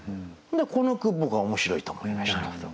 この句僕は面白いと思いました。